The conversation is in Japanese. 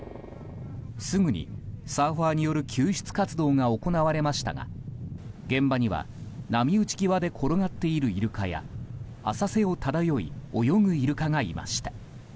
すぐにサーファーによる救出活動が行われましたが現場には波打ち際で転がっているイルカや浅瀬を漂い、泳ぐイルカがいました。